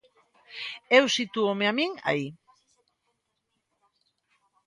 E eu sitúome a min aí.